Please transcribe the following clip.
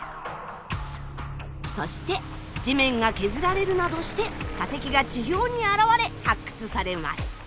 そして地面が削られるなどして化石が地表に現れ発掘されます。